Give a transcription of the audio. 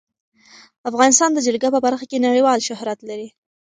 افغانستان د جلګه په برخه کې نړیوال شهرت لري.